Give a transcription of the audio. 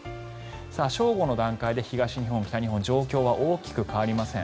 正午の段階で東日本、北日本状況は大きく変わりません。